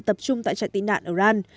tập trung tại trại tị nạn ở ran